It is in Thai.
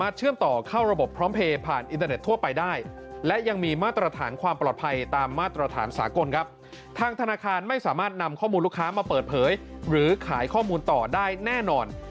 ทางธนาคารไม่สามารถนำข้อมูลลูกค้ามาเปิดเผยหรือขายข้อมูลต่อได้แน่นอน